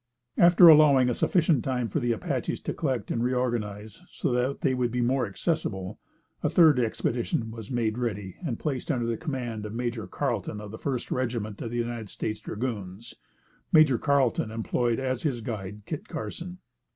After allowing sufficient time for the Apaches to collect and reorganize so that they would be more accessible, a third expedition was made ready and placed under the command of Major Carlton of the First Regiment of United States dragoons. Major Carlton employed as his guide, Kit Carson.